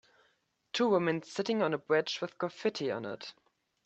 Two women sitting on a bridge with graffiti on it.